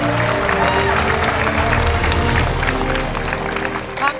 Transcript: ขอบคุณทุกคน